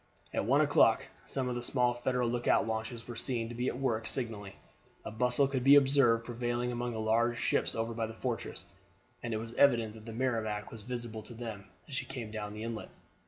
At one o'clock some of the small Federal lookout launches were seen to be at work signaling, a bustle could be observed prevailing among the large ships over by the fortress, and it was evident that the Merrimac was visible to them as she came down the inlet.